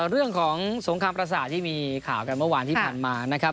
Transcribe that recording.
เรื่องของสงครามประสาทที่มีข่าวกันเมื่อวานที่ผ่านมานะครับ